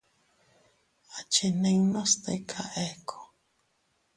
Achinninnu stika ekku.